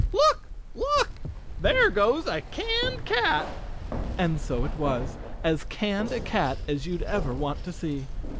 Look, look I There goes a canned cat!" And so it was, as canned a cat as you'd ever want to see.